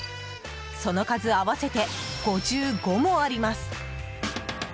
その数合わせて５５もあります。